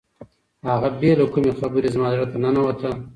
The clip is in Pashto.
هغه بې له کومې خبرې زما زړه ته ننوته.